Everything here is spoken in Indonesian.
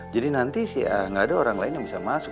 jadi nanti sih ya gak ada orang lain yang bisa masuk